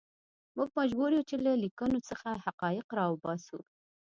موږ مجبور یو چې له لیکنو څخه حقایق راوباسو.